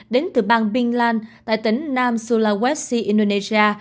đến từ bang binlan tại tỉnh nam sulawesi indonesia